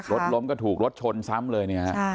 รถล้มก็ถูกรถชนซ้ำเลย